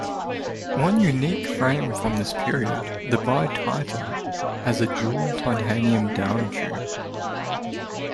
One unique frame from this period, the Bititan, has a dual titanium down tube.